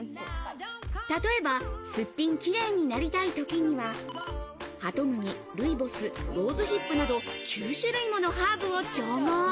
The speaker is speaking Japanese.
例えばすっぴんキレイになりたい時には、ハトムギ、ルイボス、ローズヒップなど９種類ものハープを調合。